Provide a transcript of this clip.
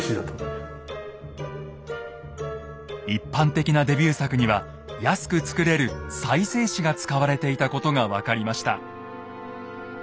一般的なデビュー作には安く作れる再生紙が使われていたことが分かりました。